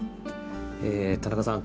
田中さん